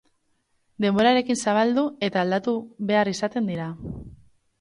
Denborarekin zabaldu, eta aldatu behar izaten dira.